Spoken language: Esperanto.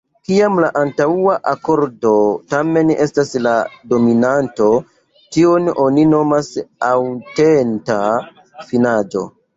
Kiam la antaŭa akordo tamen estas la dominanto, tion oni nomas aŭtenta finaĵo.